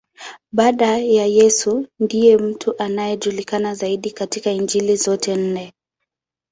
Baada ya Yesu, ndiye mtu anayejulikana zaidi katika Injili zote nne.